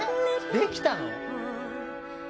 できたの？